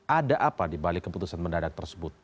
ada apa di balik keputusan mendadak tersebut